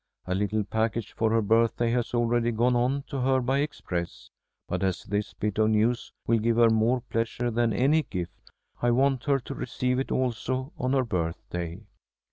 A little package for her birthday has already gone on to her by express, but as this bit of news will give her more pleasure than any gift, I want her to receive it also on her birthday.